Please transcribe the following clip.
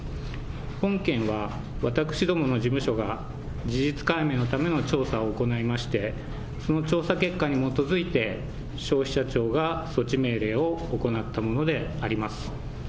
本件は、私どもの事務所が事実解明のための調査を行いまして、その調査結果に基づいて、消費者庁が措置命令を行ったものであります。